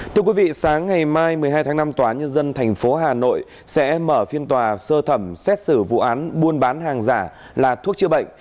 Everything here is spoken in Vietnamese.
thưa quý vị sáng ngày mai một mươi hai tháng năm tòa nhân dân tp hà nội sẽ mở phiên tòa sơ thẩm xét xử vụ án buôn bán hàng giả là thuốc chữa bệnh